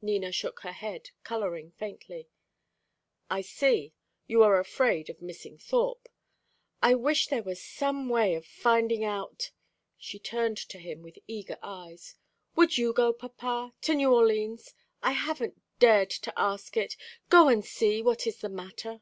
Nina shook her head, colouring faintly. "I see. You are afraid of missing Thorpe. I wish there were some way of finding out " She turned to him with eager eyes. "Would you go, papa, to New Orleans? I haven't dared to ask it. Go and see what is the matter."